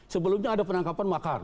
sebelumnya ada penangkapan makar